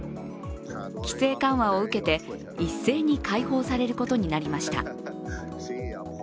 規制緩和を受けて一斉に解放されることになりました。